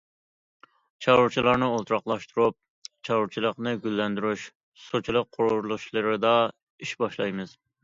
‹‹ چارۋىچىلارنى ئولتۇراقلاشتۇرۇپ، چارۋىچىلىقنى گۈللەندۈرۈش›› سۇچىلىق قۇرۇلۇشلىرىدا ئىش باشلايمىز.